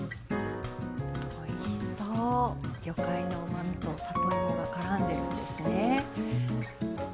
魚介のうまみと里芋がからんでるんですね。